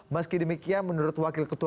meski demikian menurut wakil ketua